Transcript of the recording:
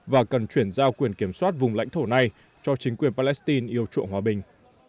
và cần chuyển giao quyền kiểm soát vùng lãnh thổ này cho chính quyền palestine yêu chuộng hòa bình